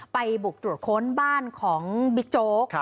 ไปบุกตรวจค้นบ้านของบิ๊กโจ๊ก